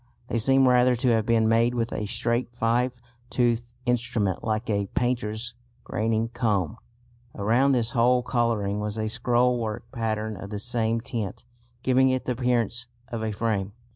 They seem rather to have been made with a straight five toothed instrument like a painter's graining comb. Around this whole colouring was a scrollwork pattern of the same tint, giving it the appearance of a frame.